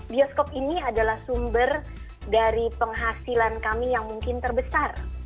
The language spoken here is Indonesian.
bioskop ini adalah sumber dari penghasilan kami yang mungkin terbesar